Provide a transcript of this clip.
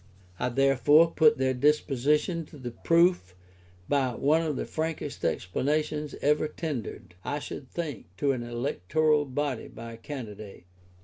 I therefore put their disposition to the proof by one of the frankest explanations ever tendered, I should think, to an electoral body by a candidate.